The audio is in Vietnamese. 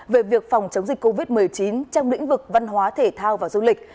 về việc phòng chống dịch covid một mươi chín trong lĩnh vực văn hóa thể thao và du lịch